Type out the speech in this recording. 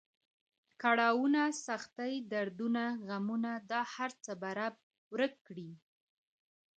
کړاونه، سختۍ، دردونه، غمونه دا هر څه به رب ورک کړي.